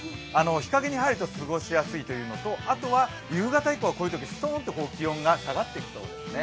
日陰に入ると過ごしやすいのと、あとは夕方以降はこういうときストンと気温が下がってきそうですね。